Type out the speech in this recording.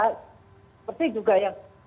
seperti juga yang